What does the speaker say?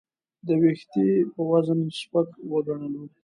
د وېښتې په وزن سپک وګڼلو.